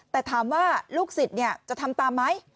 แต่ถามว่าลูกศิษย์จะทำตามไหม